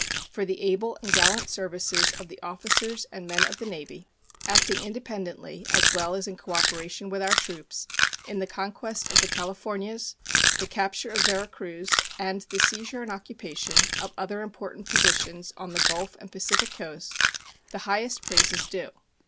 For the able and gallant services of the officers and men of the Navy, acting independently as well as in cooperation with our troops, in the conquest of the Californias, the capture of Vera Cruz, and the seizure and occupation of other important positions on the Gulf and Pacific coasts, the highest praise is due.